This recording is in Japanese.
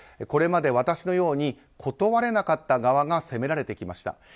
これまで私のように断れなかった側が責められてきました。